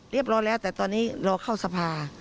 เรียบรอแล้วแต่ตอนนี้เราเข้าสภา